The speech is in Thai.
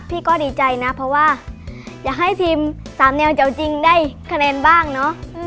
พี่ก็ดีใจนะเพราะว่าอยากให้ทีม๓แนวจะเอาจริงได้คะแนนบ้างเนอะ